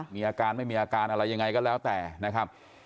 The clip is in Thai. มีอาการไม่มีอาการอะไรยังไงก็แล้วแต่นะครับ